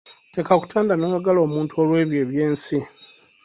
Tekakutanda n'oyagala omuntu olw'ebyo eby'ensi.